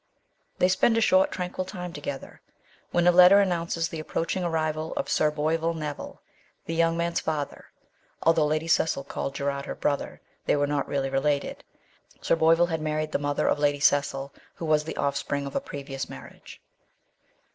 They spend a short tranquil time together, when a letter announces the approaching arrival of Sir Boyvill Neville, the young man's father (although Lady Cecil called Gerard her brother, they were not really related ; Sir Boyvill had married the mother of Lady Cecil, who was the off spring of a previous marriage)